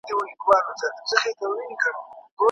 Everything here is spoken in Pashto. که انلاین ټولګي متقابل وي، بې علاقګي نه پیدا کېږي.